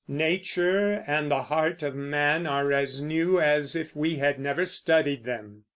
Nature and the heart of man are as new as if we had never studied them.